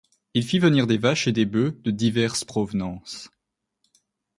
Il fit venir des vaches et des bœufs de diverses provenances.